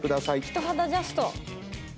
人肌ジャスト。